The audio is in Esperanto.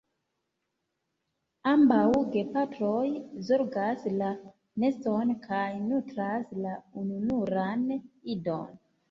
Ambaŭ gepatroj zorgas la neston kaj nutras la ununuran idon.